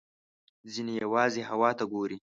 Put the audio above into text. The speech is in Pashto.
ځینې یوازې هوا ته ګوري.